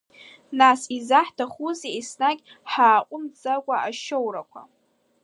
Нас изаҳҭахузеи, еснагь, ҳааҟәымҵӡакәа ашьоурақәа.